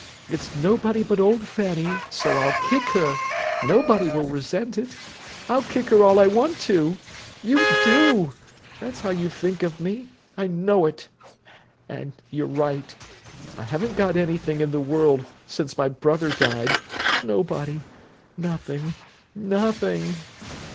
'It's nobody but old Fanny, so I'll kick her—nobody will resent it. I'll kick her all I want to!' You do! That's how you think of me—I know it! And you're right: I haven't got anything in the world, since my brother died—nobody—nothing—nothing!"